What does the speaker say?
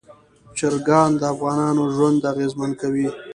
چرګان د افغانانو ژوند اغېزمن کوي.